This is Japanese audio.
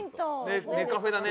ネカフェだね。